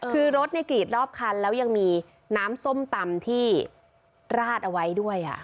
คือรถกรีดรอบคันแล้วยังมีน้ำส้มตำที่ราดเอาไว้ด้วย